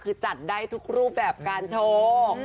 คือจัดได้ทุกรูปแบบการโชว์